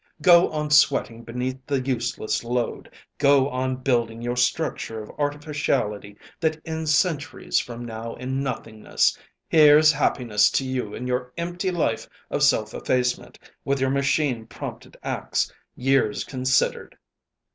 "Go on sweating beneath the useless load! Go on building your structure of artificiality that ends centuries from now in nothingness! Here's happiness to you in your empty life of self effacement, with your machine prompted acts, years considered!"